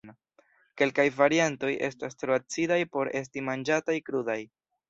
Kelkaj variantoj estas tro acidaj por esti manĝataj krudaj.